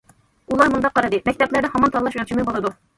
ئۇلار مۇنداق قارىدى: مەكتەپلەردە ھامان تاللاش ئۆلچىمى بولىدۇ.